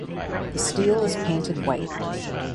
The steel is painted white.